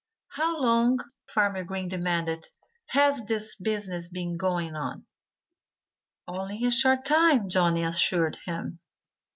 "How long," Farmer Green demanded, "has this business been going on?" "Only a short time!" Johnnie assured him.